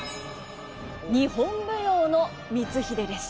日本舞踊の「光秀」です。